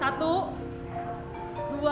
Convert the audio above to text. satu dua tiga